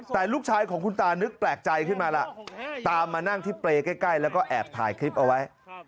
แต่ลูกชายของคุณตานึกแปลกใจขึ้นมาล่ะตามมานั่งที่เปรย์ใกล้แล้วก็แอบถ่ายคลิปเอาไว้